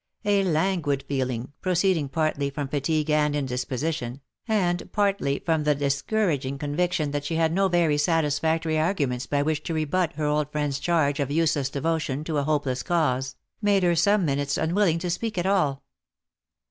A languid feeling, proceeding partly from fatigue and indisposition, and partly from the discouraging conviction that she had no very satisfactory ar guments by which to rebut her old friend's charge of useless devotion to a hopless cause, made her for some minutes unwilling to speak at all.